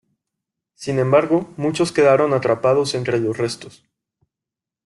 Sin embargo, muchos quedaron atrapados entre los restos.